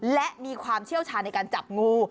และมีความเชี่ยวชาญในการจับงู